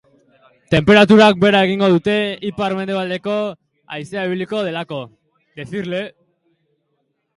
Tenperaturak behera egingo dute ipar-mendebaldeko haizea ibiliko delako.